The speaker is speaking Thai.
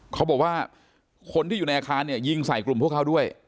เขาบอกว่าคนที่อยู่ในอาคารเนี่ยยิงใส่กลุ่มพวกเขาด้วย